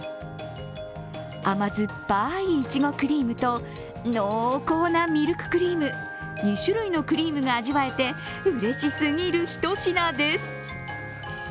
甘酸っぱいいちごクリームと濃厚なミルククリーム２種類のクリームが味わえて、うれしすぎるひと品です。